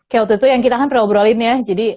kayak waktu itu yang kita kan perlu obrolin ya